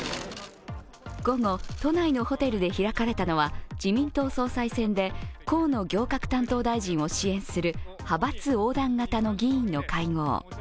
午後、都内のホテルで開かれたのは自民党総裁選で河野行革大臣を支援する派閥横断型の議員の会合。